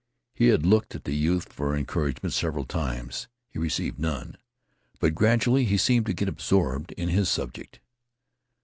He had looked at the youth for encouragement several times. He received none, but gradually he seemed to get absorbed in his subject.